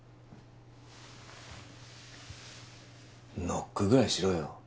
ノックぐらいしろよ